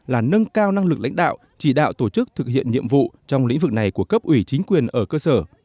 là nâng cao năng lực lãnh đạo chỉ đạo tổ chức thực hiện nhiệm vụ trong lĩnh vực này của cấp ủy chính quyền ở cơ sở